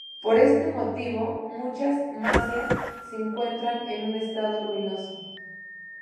Por este motivo, muchas masías se encuentran en un estado ruinoso.